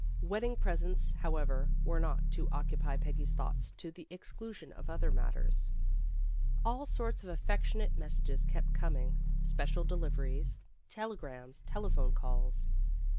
Wedding presents, however, were not to oc cupy Peggy's thoughts to the exclusion of other matters. All sorts of affectionate messages kept coming, special deliveries, tele A JULY WEDDING 317 grams, telephone calls.